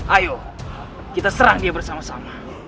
ayo kita serang dia bersama sama